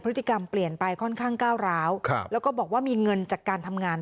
พฤติกรรมเปลี่ยนไปค่อนข้างก้าวร้าวแล้วก็บอกว่ามีเงินจากการทำงาน